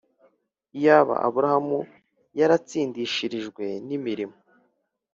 Iyaba Aburahamu yaratsindishirijwe n'imirimo,